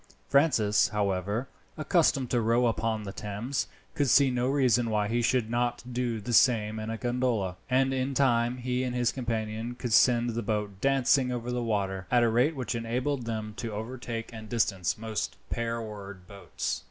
Francis, however, accustomed to row upon the Thames, could see no reason why he should not do the same in a gondola, and in time he and his companion could send the boat dancing over the water, at a rate which enabled them to overtake and distance most pair oared boats.